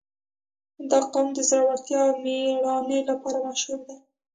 • دا قوم د زړورتیا او مېړانې لپاره مشهور دی.